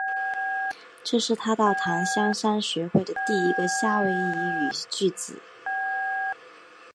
这是他到檀香山学会的第一个夏威夷语句子。